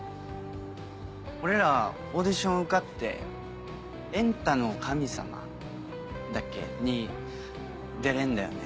俺らオーディション受かって『エンタの神様』だっけ？に出れんだよね。